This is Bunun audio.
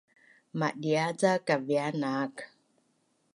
Madia’ ca kaviaz naak